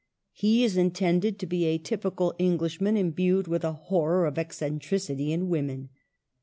He is in tended to be a typical Englishman imbued with a horror of eccentricity in women.